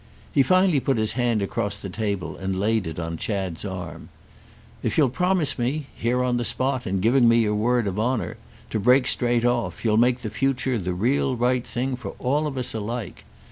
He finally put his hand across the table and laid it on Chad's arm. "If you'll promise me—here on the spot and giving me your word of honour—to break straight off, you'll make the future the real right thing for all of us alike.